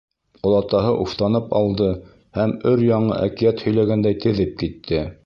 Олатаһы уфтанып алды һәм өр-яңы әкиәт һөйләгәндәй теҙеп китте: